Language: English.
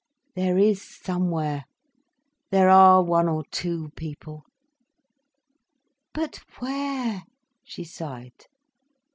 There is somewhere—there are one or two people—" "But where—?" she sighed.